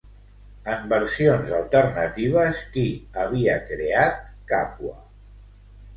En versions alternatives, qui havia creat Càpua?